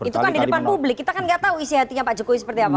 itu kan di depan publik kita kan nggak tahu isi hatinya pak jokowi seperti apa